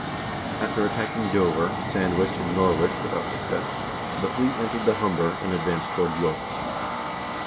After attacking Dover, Sand wich, and Norwich without success, the fleet entered the Humber, and advanced toward York.